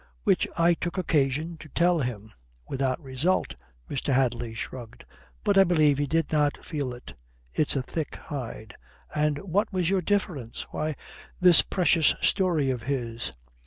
Which I took occasion to tell him. Without result." Mr. Hadley shrugged. "But I believe he did not feel it. It's a thick hide." "And what was your difference?" "Why, this precious story of his."